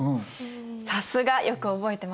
さすがよく覚えてましたね。